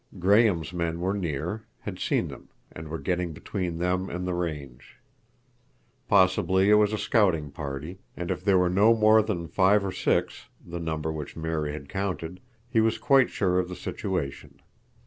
Graham's men were near, had seen them, and were getting between them and the range. Possibly it was a scouting party, and if there were no more than five or six, the number which Mary had counted, he was quite sure of the situation.